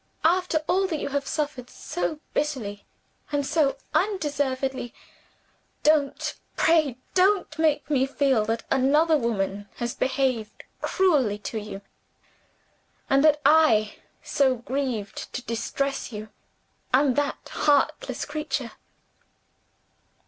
After all that you have suffered, so bitterly and so undeservedly, don't, pray don't, make me feel that another woman has behaved cruelly to you, and that I so grieved to distress you am that heartless creature!"